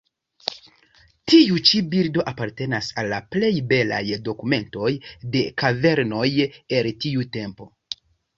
Tiu ĉi bildo apartenas al la plej belaj dokumentoj de kavernoj el tiu tempo.